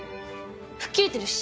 吹っ切れてるし。